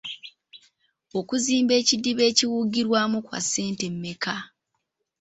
Okuzimba ekidiba ekiwugirwamu kwa ssente mmeka?